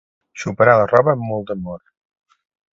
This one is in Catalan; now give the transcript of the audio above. Xoparà la roba amb molt d'amor.